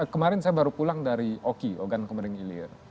kemarin saya baru pulang dari oki ogan kemering ilir